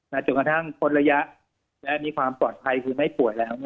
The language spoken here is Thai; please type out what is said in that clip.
จนกระทั่งพ้นระยะและมีความปลอดภัยคือไม่ป่วยแล้ว